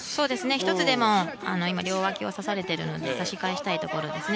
１つでも両わきをさされているのでさし返したいところですね。